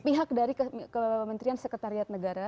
pihak dari kementerian sekretariat negara